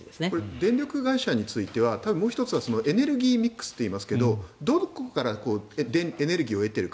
電力会社については多分もう１つはエネルギーミックスといいますがどこからエネルギーを得ているか